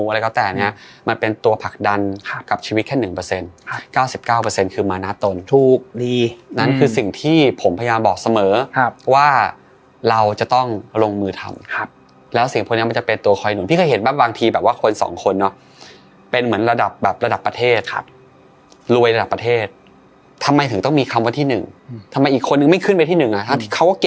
จ๊ะครับจ๊ะครับจ๊ะครับจ๊ะครับจ๊ะครับจ๊ะครับจ๊ะครับจ๊ะครับจ๊ะครับจ๊ะครับจ๊ะครับจ๊ะครับจ๊ะครับจ๊ะครับจ๊ะครับจ๊ะครับ